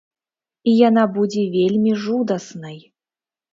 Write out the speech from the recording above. І яна будзе вельмі жудаснай!